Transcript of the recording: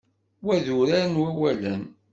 Wa d urar n wawalen.